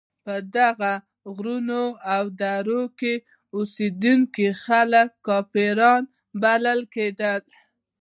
په دغو غرونو او درو کې اوسېدونکي خلک کافران بلل کېدل.